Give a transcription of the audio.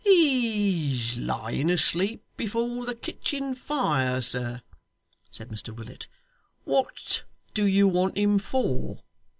'He's lying asleep before the kitchen fire, sir,' said Mr Willet. 'What do you want him for?